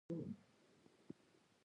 زه غواړم چي ساینس ښه سم زده کړم.